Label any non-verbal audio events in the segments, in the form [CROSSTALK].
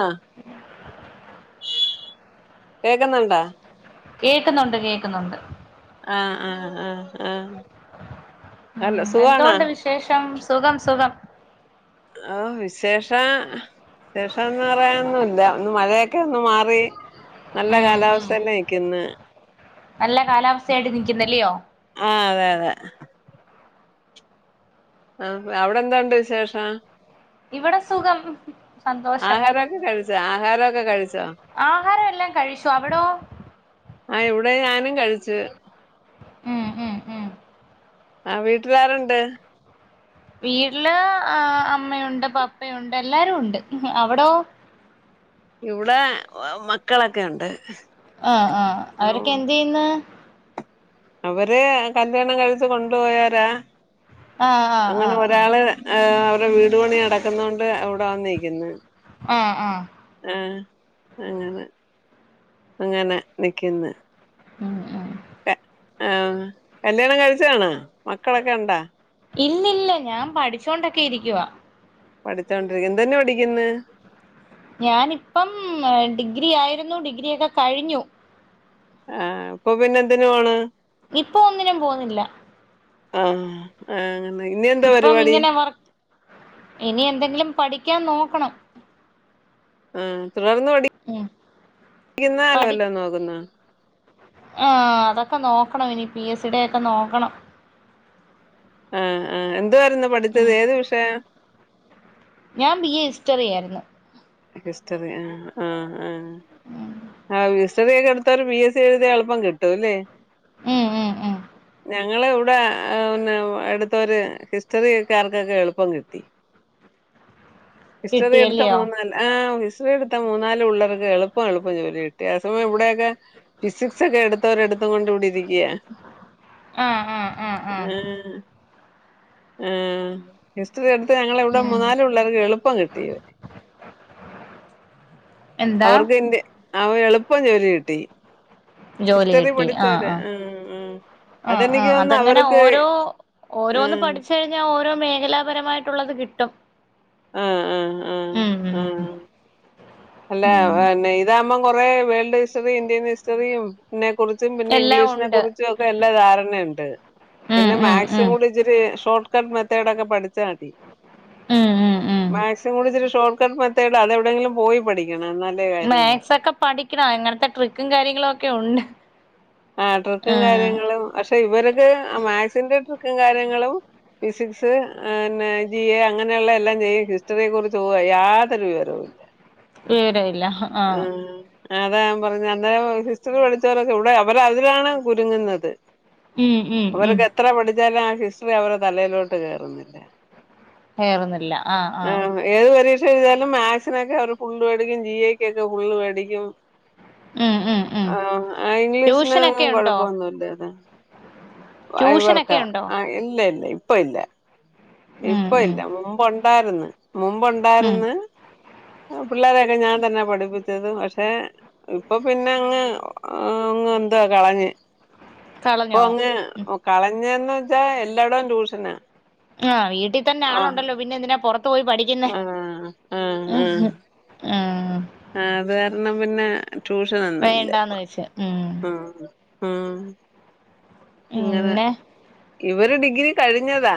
ആ കേക്കുന്നു കേക്കുന്നുണ്ട്, കേക്കുന്നുണ്ട്. ആഹ് ആഹ ആഹ് ആഹ. ഉം എന്തോണ്ട് വിശേഷം? സുഖം സുഖം. ഓ വിശേഷ ശേഷംന്ന് പറയാനൊന്നുല്ല. ഇന്ന് മഴേക്കെ ഒന്ന് മാറി. നല്ല ഉം കാലാവസ്ഥ നിക്ക്ന്ന്. നല്ല കാലാവസ്ഥയായിട്ട് നിൽക്കുന്നല്ല്യോ. ആഹ് അതെ അതെ. ആ അവിടെ എന്തോണ്ട് വിശേഷം? ഇവിടെ സുഖം, സന്തോഷം. ആഹാരൊക്കെ കഴിച്ചോ? ആഹാരമൊക്കെ കഴിച്ചോ? ആഹാര എല്ലാം കഴിച്ചു. അവിടോ? ആ ഇവിടെ ഞാനും കഴിച്ചു. ഉം ഉം ഉം ആ വീട്ടിലാരുണ്ട്? വീട്ടില് ആ അമ്മയുണ്ട്, പപ്പയുണ്ട് എല്ലാരും ഉണ്ട്. അവിടോ? ഇവിടെ മക്കളൊക്കെയുണ്ട്. ആഹ് ആഹ അവരൊക്കെ എന്ത് ചെയ്യുന്ന്? അവര് കല്ല്യാണം കഴിച്ച് കൊണ്ടുപോയോരാ. ആ ആ ആ അങ്ങനെ ആ ഒരാള് ഏഹ് അവരുടെ വീട് പണി നടക്കുന്നൊണ്ട് ഇവിടെ വന്നിക്കുന്ന്. ആഹ് ആഹ. ആ അങ്ങനെ അങ്ങനെ നിക്കുന്നെ ഉമ് ആ കല്യാണം കഴിച്ചതാ ണോ മക്കളൊക്കെ ഉണ്ടാ ഇല്ലില്ല ഞാൻ പഠിച്ചോണ്ടൊക്കെ ഇരിക്കുവാ പഠിച്ചോണ്ടിരിക്കു എന്തന്നാ പഠി ക്ക് ന്ന് ഞാനിപ്പം ഡിഗ്രി ആയിരുന്നു ഡിഗ്രിയൊക്കെ കഴിഞ്ഞു ആഹ് ഇ പ്പൊ പിന്നെ എന്തിനാ പോണ്? ഇപ്പൊ ഒന്നിനും പോന്നി ല്ല ആഹ് ആ അങ്ങ ന്നി എന്താ ഇപ്പം പരിപാടി? ഇങ്ങനെ വർ ഇനി എന്തെങ്കിലും പഠിക്കാൻ നോക്കണം ആ തുടർന്ന് ഉം പഠിക്കുന്നാലല്ലോ നോക്കുന്നോ ആ അതൊക്കെ നോക്കണം ഇനി പി എസ് സി ഡെ ഒക്കെ നോക്കണം ആ ഹ് ആ എന്തുവായിരുന്നു പഠിച്ചത് ഉം ഏത് വിഷയം ഞാൻ ബി എ ഹിസ്റ്ററി ആയിര് ന്നു ഹിസ്റ്ററി ആഹ് ആ ആഹ് ആ ഹിസ്റ്ററിയെ എടുത്തവർ വി എസ് സിഎഴുതിയ എളുപ്പം കിട്ടൂല്ലേ? ഉം ഉം ഉം ഞങ്ങള് ഇവിടെ പിന്നെ എടുത്തൊരു ഹിസ്റ്ററിക്കാർക്കൊക്കെ എളുപ്പം കിട്ടി ഹിസ്റ്ററി എടുത്ത കിട്ടിയല്ലയോ മൂന്നാല് ആഹ് ഹിസ്റ്ററി എടുത്ത മൂന്നാല് പിള്ളേർക്ക് എളുപ്പം എളുപ്പം ജോലി കിട്ടി ആ സമയം ഇവിടെയൊക്കെ ഫിസിക്സ് ഒക്കെ എടുത്തോരെടുത്തും കൊണ്ട് ഇവിടെ ഇരിക്കിയ ആഹ് ആ ഹിസ്റ്ററി എടു ഞങ്ങളെവിടെ ഉം മൂന്നാല് പിള്ളേർക്ക് എളു ളുപ്പം കിട്ടിയത് എന്താ അവർക്ക് അവനെ എളുപ്പം ജോലി കിട്ടി ജോലി ഹിസ്റ്ററി കിട്ടി ആഹ് പഠിച്ചവര് ആഹ് ആഹ് ആ ആ അതെനിക്ക് തോന്നുന്നു അതങ്ങനെ അവർക്ക് ഓരോ ഓരോന്ന് ആഹ് പഠിച്ച് ഓരോ മേഖലാപരമായിട്ടുള്ളത് കിട്ടും ആഹ് ആഹ് ആ ഉം ഉം അല്ല ഉം അ ന്നെ ഇതാകുമ്പം കൊറെ വേൾഡ് ഹിസ്റ്ററിയും ഇന്ത്യൻ ഹിസ്റ്ററിയും നെ കുറിച്ചും പിന്നെ എല്ലാം ഇംഗ്ലീഷിനെ ഉണ്ട് കുറിച്ചും ഒക്കെ എല്ലാ ധാരണയുണ്ട് ഉം പിന്നെ ഉം മാക് സും ഉം കൂടി ഇച്ചിരി ഷോർട്ട് കട്ട് മെത്തേഡ് ഒക്കെ പഠിച്ചാ മതി ആഹ് മാക്സിം കൂടിച്ചിരി ഷോർട്ട് കട്ട് മെത്തേഡ് അത വിടെങ്കിലും പോയി പഠിക്കണം എന്നാ ല്ലെ മാക് സൊ ക്കെ പഠിക്കണം ഇങ്ങനത്തെ ട്രിക്കും കാര്യങ്ങളെ ക്കെ ഉണ്ട് ആ ട്രിക്കും ഉം കാര്യങ്ങളും പക്ഷെ ഇവർക്ക് മാത് സി ന്റെ ട്രിക്കും കാര്യങ്ങളും ഫിസിക്സ് ന്നെ ജി എ അങ്ങനെയുള്ള എല്ലാം ചെയ്യും ഹിസ്റ്ററിയെ കുറിച്ച് പോക യാതൊരു വിവരവും ല വിവരമില്ല ആഹ് ഉം അതാ ഞാൻ പറഞ്ഞെ അന്നേ ഹിസ്റ്ററി പഠിച്ചവരൊക്കെ ഇവിടെ ഇ വർ അതിലാണ് കുരുങ്ങുന്നത് ഉം ഉം ഉം അവർക്ക് എത്ര പഠിച്ചാലും ആ ഹിസ്റ്ററി അവരെ തലയിലോട്ട് കേറുന്നില്ല കേറുന്നില്ല ആഹ് ആ ഏത് പരീക്ഷ എഴുതിയാലും മാത് സി നൊക്കെ അവര് ഫുള്ള് മേടിക്കും ജി എക്കൊക്കെ ഫുള്ള് മേടിക്കും ഉം ഉം ഉം ആഹ് ആ ഇംഗ്ലീഷിന് ട്യൂഷനൊക്കെ ഉണ്ടോ കൊഴപ്പൊന്നുംല്ലേന്ന കായ് വർക്ക ട്യൂഷനൊക്കെ ഉണ്ടോ ആഹ് ഇല്ല ഇല്ല ഇപ്പ ഇല്ല ഉം ഉം ഇപ്പൊഇല്ല മുമ്പുണ്ടായിരുന്ന് ഉം മുമ്പുണ്ടായിരുന്ന്. പിള്ളാരെയൊക്കെ ഞാൻ തന്നെ പഠിപ്പിച്ചത് പക്ഷെ ഇപ്പൊ പിന്നെ അങ്ങ്, അങ്ങ് എന്തോ കളഞ്ഞ് ഇപ്പോ കളഞ്ഞോ അങ്ങ് കളഞ്ഞെന്ന് വെച്ചാ എല്ലാടോം ട്യൂഷനാ. ആഹ് വീട്ടിതന്നെ ആഹ് ആളുണ്ടല്ലോ പിന്നെ എന്തിനാ പൊറത്തു പോയി പഠിക്കുന്നെ? ആഹ് ആഹ് ആഹ് ആഹ് ആഹ് അത് കാരണം പിന്നെ വേണ്ടാന്ന് ട്യൂഷനൊന്നുല്ലപ്പോ വെച്ച് ഉം ആഹ് ഉം അങ്ങനെ പിന്നെ ഇവര് ഡിഗ്രി കഴിഞ്ഞതാ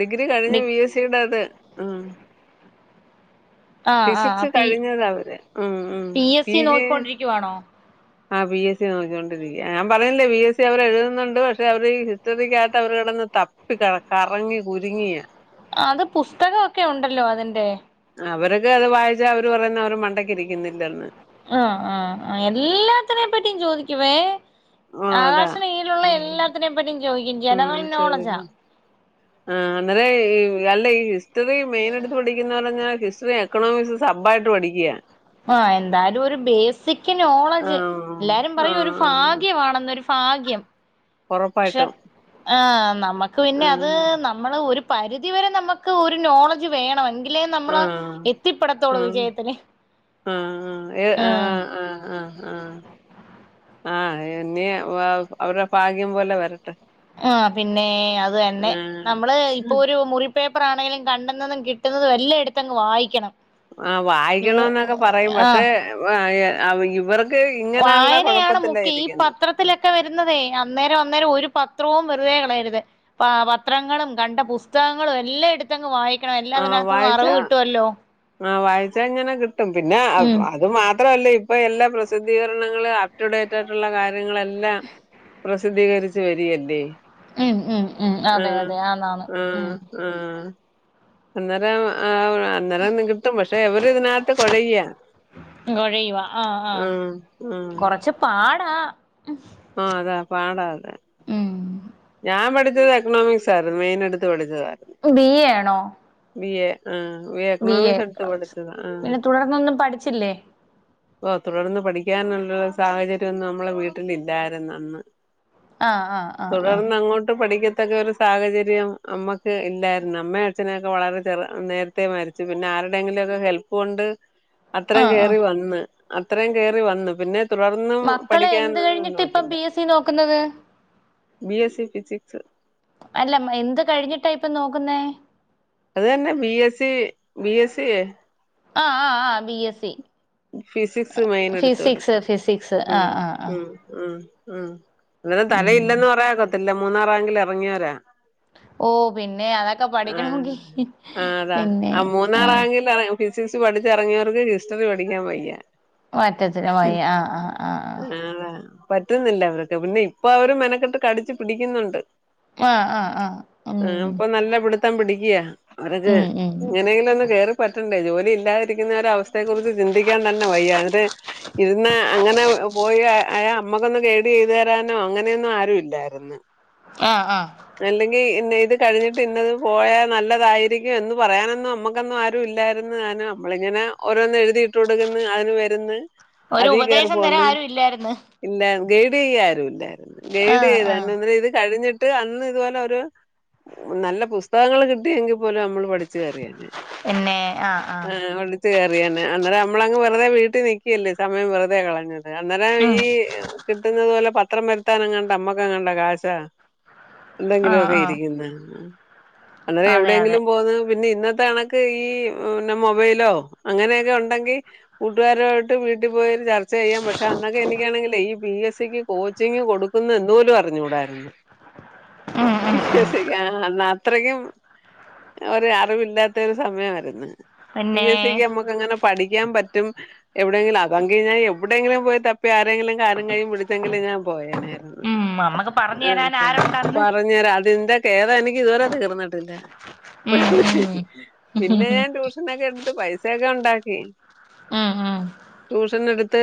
ഡിഗ്രി കഴിഞ്ഞ ഡി ബി എസ് [UNINTELLIGIBLE] ആഹ് ആഹ് ആഹ് ഫിസിക്സ് പി കഴിഞ്ഞതാ അവര് ഉം, ഉം പി എസ് സി പിജി നോക്കിക്കൊണ്ടിരിക്കുവാണോ ആഹ് പി എസ് സി നോക്കിക്കൊണ്ടിരിക്ക ഞാൻ പറഞ്ഞില്ലേ പി എസ് സി അവര് എഴു ന്നുണ്ട് പക്ഷെ അവര് ഈ ഹിസ്റ്ററിക്കകത്ത് അവര് കിടന്ന് തപ്പി കറങ്ങി കുരുങ്ങിയ അത് പുസ്തകമൊക്കെ ഉണ്ടല്ലോ അതിന്റെ. അവർക്ക് അത് വായിച്ച അവര് പറയുന്നെ അവരെമണ്ടക്ക് ഇരിക്കുന്നില്ലെന്ന്. ആഹ്, ആഹ് എല്ലാത്തിനേ പറ്റിയും ചോദിക്കുവേ. ആ അതാ ആകാശന്നീലുള്ള ഉം എല്ലാത്തിനെ പറ്റിയും ചോദിക്കും ജനറൽ നോളെജാ. ആഹ് അന്നരം ഈ അല്ല ഈ ഹിസ്റ്ററി മെയിന്എടുത്ത് പഠിക്കുന്നവര് എങ്ങനാ ഹിസ്റ്ററി എക്കണോമിക്സ് സബ്ബായിട്ട് പഠിക്ക. ആഹ് എന്തായാലും ഒരു ബേസിക് ആ നോളെജ് ആ എല്ലാരുംപറയും ഒരു ആ ഫാ [UNINTELLIGIBLE] വാണന്നൊരു ഭാഗ്യം ഉറപ്പായിട്ടും പക്ഷെ ആഹ് നമ്മക്ക് പിന്നെ അത് ആഹ് നമ്മള് ഒരു പരിധി വരെ നമ്മക്ക് ഒരു നോളെജ് വേണം എങ്കി എങ്കിലെ നമ്മള് ആഹ് എത്തിപ്പെടത്തൊളൂ വിജയത്തില്. ആഹ്, ആഹ്, ഏഹ്, ആഹ്, ആഹ്, ആഹ് ആഹ് ആഹ് എനി അവരുടെ ഭാഗ്യം പോലെ വരട്ടെ. ആഹ് പിന്നെ അത് തന്നെ ആഹ് നമ്മള് ഇപ്പൊ ഒരു മുറി പേപ്പറാണെങ്കിലും കണ്ടുന്നതും കിട്ടുന്നതും എല്ലാം എടുത്തങ്ങ് വായിക്കണം. ആഹ് ന്യൂ വായിക്കണന്നൊക്കെ പറയും ആഹ് പക്ഷെ ആ ഈ ഇവർ ഇങ്ങനൊള്ള കുഴപ്പത്തില ഇരിക്കുന്നത്. ക്കെ വരുന്നതേ അന്നേരം, അന്നേരം ഒരുപത്രോം വെറുതെ കളയരുത്. പ പത്രങ്ങളും കണ്ട പുസ്തകങ്ങളും എല്ലാം എടുത് ത്തങ്ങ് വായിക്കണം ആഹ് എല്ലാത്തിനകത്തിന്നും വായിച്ച അറിവ് കിട്ടുവല്ലോ? ആഹ് വായിച്ചഇങ്ങനെകിട്ടും പിന്നെ അത്, ഉം അത് മാത്ര മാത്രല്ല ഇപ്പൊ എല്ലാ പ്രസിദ്ധീകരണങ്ങളും അപ്ടു ഡേറ്റ് ആയിട്ടുള്ള കാര്യങ്ങളെല്ലാംപ്രസ് പ്രസിദ്ധീകരിച്ച് വരിയല്ലേ? ഉം, ഉം, ഉം അതെ, അതെ ആന്ന് ആന്ന്. ഉം അന്നരം ആഹ് അന്നരം കിട്ടും പക്ഷെ ഇവര് ഇതിനകത്ത് കൊഴയ. ആഹ് ആഹ് കൊറച്ച് പാടാ [INAUDIBLE] ആഹ് അതാ പാടാ അത്. ഉം ഞാൻ പഠിച്ചത് എക്കണോമിക്സ് ആയിരുന്നു മെയിൻഎടുത്ത് പഠിച്ചത. ബി എ ആണോ? ബി എ ആഹ് ബി എ എക്കനാമിക്സ് എടുത്ത് എക്കണോമിക്സ് പഠിച്ചതാ. ആഹ് പിന്നെ തുടർന്നൊന്നും പഠിച്ചില്ലേ ഓഹ് തുടർന്ന് പഠിക്കാനുള്ള സാഹചര്യോന്നും ന്ന മ്മളെ വീട്ടിലില്ലായിരുന്നു അന്ന്. ആഹ് ആഹ് ആഹ് ആഹ് തുടർന്നഅങ്ങോട്ട് പഠിക്കു തെക്കെ ഒരു സാഹചര്യം അമ്മക്ക് ഇല്ലായിരുന്നു അമ്മേ അച്ഛനൊക്കെ വളരെ ചെറു നേര് ത്തെ മരിച്ചു പിന്നെ ആരുടെങ്കിലും ഹെൽപ്പ് കൊണ്ട് അത്രേം ആഹ് ആഹ് കേറിവന്ന് അത്രേം കേറിവന്നു പിന്നെതുടർന്നും പഠിക്കൻന്നൊന്നും നോക്കീല. ഇ നോക്കുന്നത് ബി എസ് സി ഫിസിക്സ് അല്ല എന്ത് കഴിഞ്ഞിട്ടാ ഇപ്പൊ നോക്കുന്നേ അത് തന്നെ B S C B S C ആഹ് ആഹ് ആഹ് B S C physics main എടുത്തോടിച്ച ഫിസിക്സ് ഫിസിക്സ് ആ ഉം ആ ആ ഉം ആഹ് ആഹ് അന്നും ഉം തലയില്ലന്ന് പറയാക്കത്തില്ല മൂന്നാ റാങ്കിൽ ഇറങ്ങിയവരാ ഓ പിന്നെ അതൊക്കെ പഠിക്കണെങ്കി ആഹ് അതാ ആ മൂന്നാറാ ഫിസിക്സ് പഠിച്ച് ഇറങ്ങിയവർക്ക് ഹിസ്റ്ററി പഠിക്കാൻ വയ്യ വറ്റത്തിനെ വയ്യ ആഹ് ആഹ് ആഹ് ആ പറ്റുന്നില്ല അവർക്ക് പിന്നെ ഇപ്പൊ അവരും മെനക്കെട്ട് കടിച്ചു പിടിക്കുന്നുണ്ട് ആ ആ ആ ആ ഉം ആഹ് അപ്പൊ നല്ല പിടുത്തം പിടിക്കയാ അവരക്ക് ഉം ഉം എങ്ങനെങ്കിലും ഒന്നും കേറി പറ്റണ്ടേ ജോലി ഇല്ലാതിരിക്കുന്നവര സ്ഥയെ കുറിച്ച് ചിന്തിക്കാൻ തന്നെ വയ്യ് ഇരുന്ന അങ്ങനെ പോയി അ അമ്മക്കൊന്ന് കേടി ചെയ്തു തരാനോ അങ്ങനെയൊന്നും ആരു ഇല്ലായിരുന്നു ആഹ് ആഹ് അല്ലെങ്കി ഇന്ന ഇത് കഴിഞ്ഞിട്ട് ഇന്നത് പോയാൽ നല്ലതായിരിക്കും എന്ന് പറയാനന്ന നമ്മുക്ക് ആരും ഇല്ലായിരുന്നു താനും നമ്മള ഇങ്ങനെ ഓരോന്നന്ന് എഴുതിട്ട് ള്വടുന്ന് അതിന് വരുന്ന് അതി കേയറി പോന്ന് ല്ലായിരുന്നു ഇല്ല ഗൈഡ് ചെയ്യുക ആരും ഇല്ലായിരുന്നു ആ ഗൈഡ് ആ ചെയ്ത ഇത് കഴിഞ്ഞിട്ട് അന്ന് ഇതുപോലെ ഒരു നല്ല പുസ്തകങ്ങൾ കിട്ടിയെങ്കിൽ പോലെ നമ്മൾ പടിച്ചു കേറിയഞ്ഞേ പിന്നെ ആ ആ കയറിയ അന്നേരം നമ്മ അങ് വെറുെ വീട്ടിൽ നിക്കക്കിയല്ലേ സമയം വെറുതെ കളഞ്ഞു അന്നേരം ഉം ഈ കിട്ടുന്നത് പോലെ പത്രം വരുത്താൻ എങ്ങാണ്ട അമ്മക്കെ എങ്ങണ്ടാ കാശാ ആ എന്തെങ്കിലുമോക്കെ ആ ഇരിക്കുന്ന അന്നേര അതെ അതെ എവിടെയെങ്കിലും പോന്ന് പിന്നെ ഇന്നത്തെ ആണ ഈ പിന്നെ മൊബൈലോ അങ്ങനെയൊക്കെ ഉണ്ടെങ്കിൽ കൂട്ടുകാരോട്ട് വീട്ടിൽ പോയരു ചർച്ച ചെയ്യാം പക്ഷെ അന്നൊക്കെ എനിക്കാണെങ്കേ ഈ പി എസ് സിക്ക് കോച്ചിങ്ങ് കൊടുക്കുന്നു എന്ന് പോലും അറിഞ്ഞുകൂടാരുന്നു ഉം ഉം ഉം വിശ്വസിക്ക ആഹ് അത്രക്കും ഒരു അറിവില്ലാത്ത ഒരു സമയമായിരുന്നു പി പിന്നെ എസ് സിക്ക് നമ്മുക്ക് അങ്ങനെ പഠിക്കാൻ പറ്റും എവിടെയെങ്കിലും അത കഴിഞ്ഞാൽ എവിടെങ്കിലും പോയി തപ്പി ആരെങ്കിലും കാലും കയ്യും പിടിച്ചെങ്കിലും ഞാൻ പോയേനായിരുന്നു ഉം നമ്മക്ക് പറഞ്ഞു തരാൻ ആക്ഷെ ആരുണ്ടന്ന് പറഞ്ഞു തരാ അതിന്റെ ഖേദം എനിക്ക് ഇതുവരെ തീർന്നിട്ടില്ല ഉം ഉം പിന്നെ ഉം ഞാൻ ഡ്യുഷനോക്കെ എടുത്ത് പൈസയൊക്കെ ഉണ്ടാക്കി ഉം ഉം ട്യൂഷൻ എടുത്ത്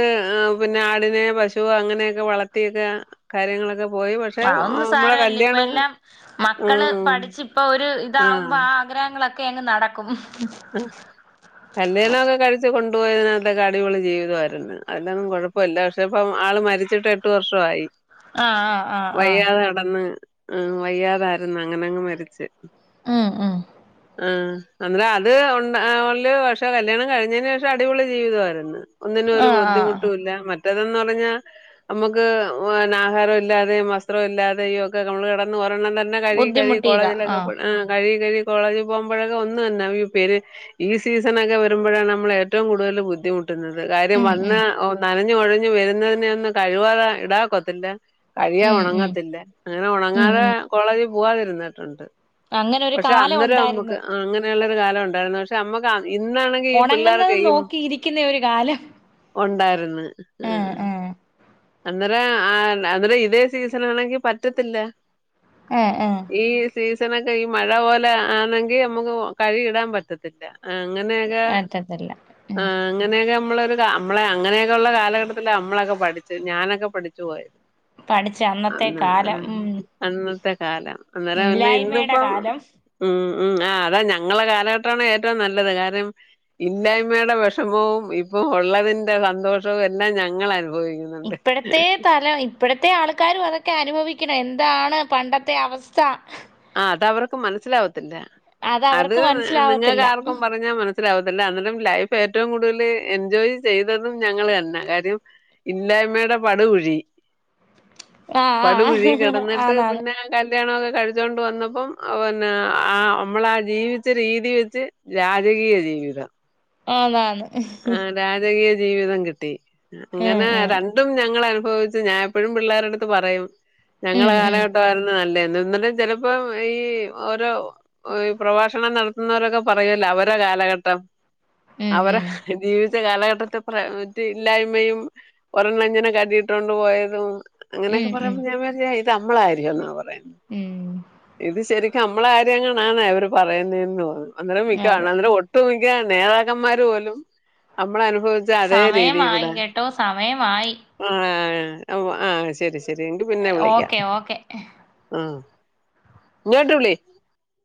പിന്നെ ആടിനെ പശുവ് അങ്ങനെയൊക്കെ വളത്തിയൊക്കെയാ കാര്യങ്ങളൊക്കെ പോയി പക്ഷെ അതൊന്നും നമ്മടെ സാരല്ല ഇപ്പ കല്യാണം ആഹ് ഇപ്പൊ ഒരു ഇതാവുമ്പോ ആ ആഗ്രഹങ്ങളൊക്കെ അങ്ങ് നടക്കും ആഹ് കല്ല്യാണം ഒക്കെ കഴിച്ച് കൊണ്ടുപോയതിനകത്തൊക്കെ അടിപൊളി ജീവിതവാരുന്ന് അതിലൊന്നും കുഴ ഇപ്പൊ ഇല്ല പക്ഷെ ഇപ്പ ആള് മരിച്ചിട്ട് എട്ട് വർഷമായി ആഹ് ആഹ് ആഹ് ആഹ് വയ്യാതെ കെടന്ന് ആ വയ്യാതാരുന്ന് അങ്ങനങ്ങ് മരിച്ച് ആഹ് ആഹ് ആഹ് അന്നേര അത് ഒ ഉള്ള പക്ഷെ കല്യാണം കഴിഞ്ഞതിന് ശേഷം അടിപൊളി ജീവിതമായിരുന്നു ഒന്നിനും ഒരു ആഹ് ആഹ് ബുദ്ധിമുട്ടും ഇല്ല മറ്റേതെന്ന് പറഞ്ഞാൽ നമുക്ക് പിന്നേ ആഹാരം ഇല്ലാതെയും വസ്ത്രം ഇല്ലാതെയും ഒക്കെ നമ്മള് കിടന്ന് ഒരെണ്ണം ത ന്നേ കഴുകി കഴുകി ബുദ്ധിമുട്ടിയതാ കോളേജിലൊക്കെ ആഹ് പോ ആ കഴുകി കഴുകി കോളേജിൽ പോകുമ്പോഴൊക്കെ ഒന്ന് തന്നെ ഇ പേര് ഈ സീസണൊക്കെ വരുമ്പോഴാണ് നമ്മൾ ഏറ്റവും കൂടുതല് ബുദ്ധിമുട്ടുന്നത് കാര്യം ഉം വന്ന ഉം ഓ നനഞ്ഞ് കൊഴഞ്ഞ് വരുന്നതിനെ ഒന്നും കഴിവാതെ ഇടാനൊക്കത്തില്ല കഴുകിയാ ഉം ഉം ഉണങ്ങത്തില്ല അങ്ങനെ ഉം ഉണങ്ങാതെ ഉം കോളേജിൽ പോവാതിരുന്നിട്ടുണ്ട് അങ്ങനെ ഒരു പക്ഷെ കാലം അന്നേരം നമുക്ക് ഉണ്ടായിരുന്നു ആ അങ്ങനെയുള്ളൊരു കാലം ഉണ്ടായിരുന്നു പ ക്ഷെ നമ്മക്ക് ഇന്നാണെങ്കി ഈ പിള്ളേർക്കെ ഉണങ്ങുന്നത് ഈ നോക്കിയിരിക്കുന്ന ഒരു കാലം ഉണ്ടായിരുന്നു ആഹ് അന്നേരം ആ അന്നേരം ഇതേ സീസനാണെങ്കിൽ പറ്റത്തില്ല ഏ ഏ ഈ സീസണൊക്കെ ഈ മഴ പോലെ ആണെങ്കിൽ നമുക്ക് കഴുകി ഇടാൻ പറ്റത്തില്ല ആഹ് അങ്ങനെയൊക്കെ പറ്റത്തില്ല ഉം ആഹ് അങ്ങനെയൊക്കെ നമ്മളൊരു നമ്മളെ അങ്ങനെയൊക്കെ ഉള്ള കാലഘട്ടത്തിലാ നമ്മളൊക്കെ പഠിച്ചത് ഞാനൊക്കെ പഠിച്ച് പോയത് പഠിച്ച അന്നത്തെ അന്ന് കാലം ഉം അന്നത്തെ കാലം അന്നേരം പിന്നെ ഇല്ലായ്മയുടെ ഇന്നിപ്പം കാലം ഉം ഉം ആ അതാ ഞങ്ങളുടെ കാലഘട്ടമാണ് ഏറ്റവും നല്ലത് കാര്യം ഇല്ലായ്മയുടെ വിഷമവും ഇപ്പം ഉള്ളതിന്റെ സന്തോഷവും എല്ലാം ഞങ്ങൾ അനുഭവിക്കുന്നു ഇപ്പഴത്തെ തല ഇപ്പഴത്തെ ആ ൾക്കാരും അതൊക്കെ അനുഭവിക്കണം എന്താണ് പണ്ടത്തെ അവസ്ഥ ആഹ് അത് അവർക്ക് മനസ്സിലാവത്തില്ല അത് അവർക്ക് നിങ്ങൾക്ക് മനസ്സിലാവത്തില്ല ആർക്കും പറഞ്ഞാൽ മന മനസ്സിലാവത്തില്ല അന്നേരം ലൈഫ് ഏറ്റവും കൂടുതൽ എൻജോയ് ചെയ്തതും ഞങ്ങള് തന്നെ കാര്യം ഇല്ലായ്മയുടെ പടുകുഴി ആഹ് പടുകുഴിയിൽ ആഹ് കിടന്നിട്ട് ആന്നാന്ന് പിന്നെ കല്യാണം ഒക്കെ കഴിച്ചോണ്ട് വന്നപ്പം പിന്നെ ആ നമ്മളാ ജീവിച്ച രീതി വെച്ച് രാജകീയ ജീവിതം ആണ് ആണ് രാജകീയ ജീവിതം കിട്ടി ഉം അങ്ങനെ ഉം ര ണ്ടും ഞങ്ങള് അനുഭവിച്ചു ഞാൻ എപ്പഴും പിള്ളേരുടെ അടുത്ത് പറയും ഞങ്ങടെ ഉം കാലഘട്ടമായിരുന്നു നല്ലതെന്ന് എന്നിട്ട് ചിലപ്പം ഈ ഓരോ ഈ പ്രഭാഷണം നടത്തുന്നവരൊക്കെ പറയൂലോ അവരുടെ കാലഘട്ടം ഉം അവരെ ഉം ജീവിച്ച കാലഘട്ടത്തെ പറ്റി ഇല്ലായ്മയും ഒരെണ്ണം ഇങ്ങനെ കഴുകി ഇട്ടോണ്ട് പോയതും ഉം അങ്ങനെയൊക്കെ ഉം പറയുമ്പോൾ ഞാൻ വിചാരിച്ചു ഇത് നമ്മളാരിക്കൂന്നാ പറയുന്നേ ഉം ഇത് ശരിക്കും നമ്മടെ കാര്യം എങ്ങാനും ആണോ അവര് പറയുന്നേന്ന് തോന്നും അന്നേരം മിക്കവാ അതെ അന്നേരം ഒ ഒട്ട് മിക്ക നേതാക്കന്മാര് പോലും നമ്മടെ അനുഭവി സമയമായി കേട്ടോ സമയമായി ഉ ആ ഉ ആഹ് ശരി ശരി എങ്കി പിന്നെ വിളിക്കാ ഓക്കെ ഓക്കെ ആഹ് ങ്ങ്യോട്ട് വിളി